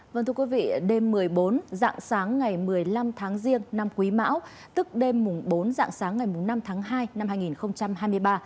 vâng thưa quý vị đêm một mươi bốn dạng sáng ngày một mươi năm tháng riêng năm quý mão tức đêm bốn dạng sáng ngày năm tháng hai năm hai nghìn hai mươi ba